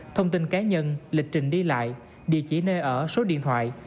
thông tin cá nhân lịch trình đi lại địa chỉ nơi ở số điện thoại